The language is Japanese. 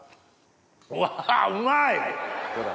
うわうまい！